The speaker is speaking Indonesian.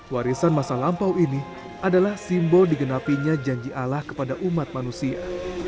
warisan masa lampau ini adalah simbol digenapinya janji allah kepada umat manusia